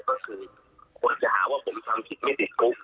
ก็คือคนจะหาว่าผมทำผิดไม่ติดคุก